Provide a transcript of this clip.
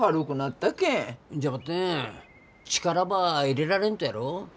じゃばってん力ば入れられんとやろ。